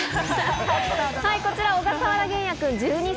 こちら小笠原弦矢くん、１２歳。